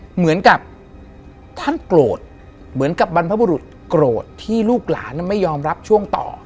เหมือนกับท่านโกรธเหมือนกับบรรพบุรุษโกรธที่ลูกหลานไม่ยอมรับช่วงต่อ